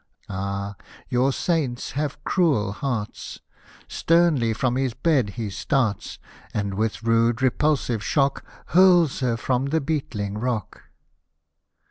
Ah, your Saints have cruel hearts ! Sternly from his bed he starts. And with rude repulsive shock. Hurls her from the beetling rock.